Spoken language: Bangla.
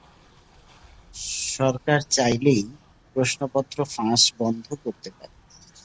সরকার চাইলেই প্রশ্নপত্র ফাঁস বন্ধ করতে পারে।